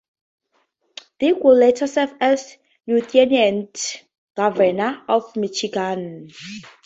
Dick would later serve as Lieutenant Governor of Michigan.